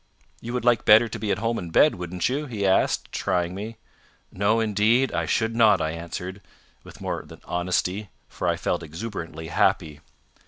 "You would like better to be at home in bed, wouldn't you?" he asked, trying me. "No, indeed, I should not," I answered, with more than honesty; for I felt exuberantly happy.